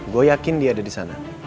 gue yakin dia ada disana